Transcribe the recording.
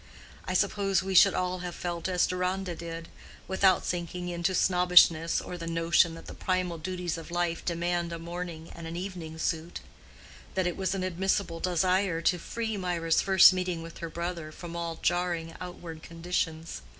I suppose we should all have felt as Deronda did, without sinking into snobbishness or the notion that the primal duties of life demand a morning and an evening suit, that it was an admissible desire to free Mirah's first meeting with her brother from all jarring outward conditions.